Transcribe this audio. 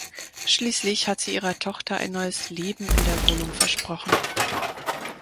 Schließlich hat sie ihrer Tochter ein neues Leben in der Wohnung versprochen.